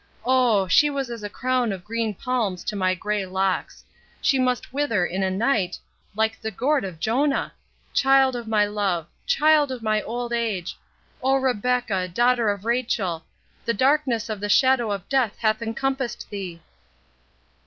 O! she was as a crown of green palms to my grey locks; and she must wither in a night, like the gourd of Jonah!—Child of my love!—child of my old age!—oh, Rebecca, daughter of Rachel! the darkness of the shadow of death hath encompassed thee."